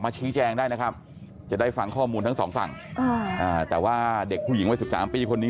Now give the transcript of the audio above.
จะได้ฟังข้อมูลทั้งสองฝั่งแต่ว่าเด็กผู้หญิงว่า๑๓ปีคนนี้